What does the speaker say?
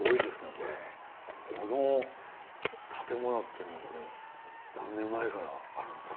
この建物っていうのは何年前からあるんですか？